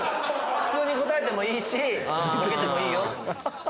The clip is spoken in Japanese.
普通に答えてもいいしボケてもいいよ